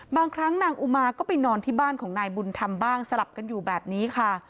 บางครั้งนางอุมาก็ไปนอนที่บ้านของนายบุญธรรมบ้างสลับกันอยู่แบบนี้ค่ะ